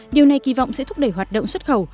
điều này kỳ vọng sẽ thúc đẩy hoạt động xuất khẩu